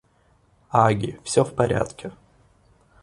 Агги, все в порядке.